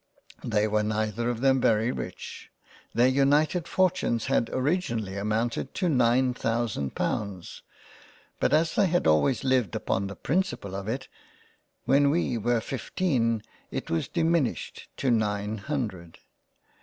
They 39 £ JANE AUSTEN £ were neither of them very rich ; their united fortunes had originally amounted to nine thousand Pounds, but as they had always lived upon the principal of it, when we were fifteen it was diminished to nine Hundred.